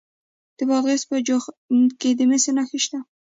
د بادغیس په جوند کې د مسو نښې شته.